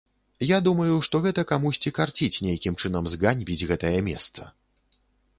Я думаю, што гэта камусьці карціць нейкім чынам зганьбіць гэтае месца.